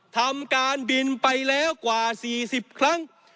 ทำการบินไปแล้วกว่า๔๐ครั้ง